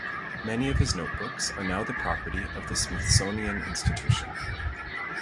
Many of his notebooks are now the property of the Smithsonian Institution.